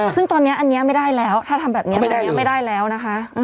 ซึ่งตอนนี้อันนี้ไม่ได้แล้วถ้าทำแบบนี้แล้วไม่ได้แล้วนะคะ